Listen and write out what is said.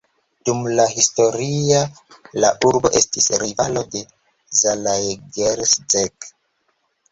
Dum la historio la urbo estis rivalo de Zalaegerszeg.